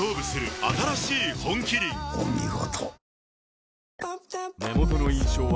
お見事。